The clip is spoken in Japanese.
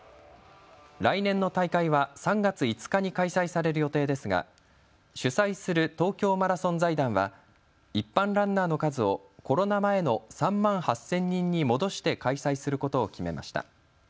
来年の大会は３月５日に開催される予定ですが主催する東京マラソン財団は一般ランナーの数をコロナ前の３万８０００人に戻して開催することを決めました。